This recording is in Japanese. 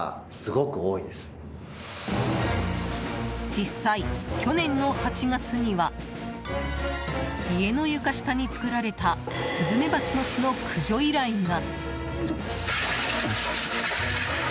実際、去年の８月には家の床下に作られたスズメバチの巣の駆除依頼が。